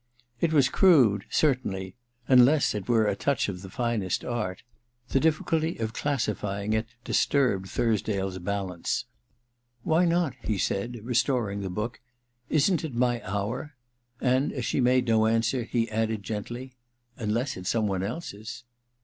It was crude, certainly ; unless it were a touch of the finest art. The difficulty of classi fying it disturbed Thursdale's balance. * why not?* he said, restoring the book. * Isn't it my hour? ' And as she made no answer, he added gently, * Unless it's some one else's